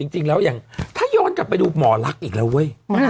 จริงแล้วอย่างถ้าย้อนกลับไปดูหมอลักษณ์อีกแล้วเว้ย